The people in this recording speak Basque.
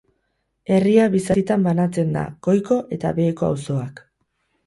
Herria bi zatitan banatzen da, goiko eta beheko auzoak.